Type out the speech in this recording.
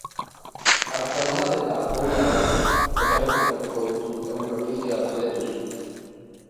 Artzain bat eta doula bat elkarrizketatuko ditu euren ofizioaz galdetuz.